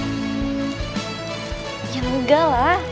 ya enggak lah